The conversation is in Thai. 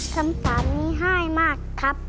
คำถามนี้ไห้มากครับ